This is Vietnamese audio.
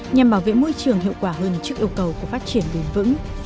nhằm bảo vệ môi trường hiệu quả hơn trước yêu cầu của phát triển bền vững